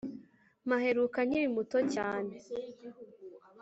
mpaheruka nkiri muto cyane